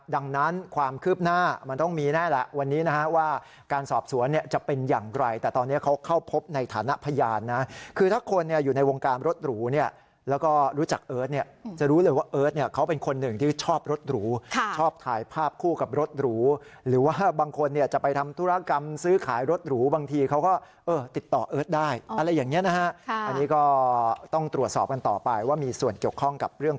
ดังนั้นความคืบหน้ามันต้องมีแน่แหละวันนี้นะฮะว่าการสอบสวนเนี่ยจะเป็นอย่างไรแต่ตอนนี้เขาเข้าพบในฐานะพยานนะคือถ้าคนอยู่ในวงการรถหรูเนี่ยแล้วก็รู้จักเอิร์ทเนี่ยจะรู้เลยว่าเอิร์ทเนี่ยเขาเป็นคนหนึ่งที่ชอบรถหรูชอบถ่ายภาพคู่กับรถหรูหรือว่าบางคนเนี่ยจะไปทำธุรกรรมซื้อขายรถหรูบางทีเข